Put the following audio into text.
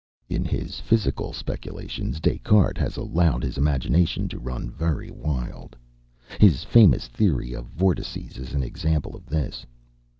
In his physical speculations, Des Cartes has allowed his imagination to run very wild. His famous theory of vortices is an example of this.